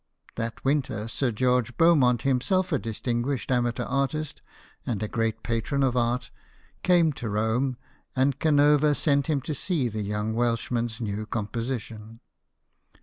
That winter Sir George Beaumont, himself a distinguished amateur artist, and a great patron of art, came to Rome ; and Canova sent him to see the young Welshman's new composition.